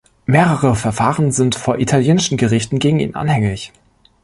Mehrere Verfahren sind vor italienischen Gerichten gegen ihn anhängig.